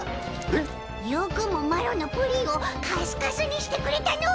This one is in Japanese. よくもマロのプリンをカスカスにしてくれたの。